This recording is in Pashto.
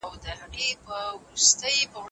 د کورني ژوند ناخوالو ته د پای ټکی کيږدئ.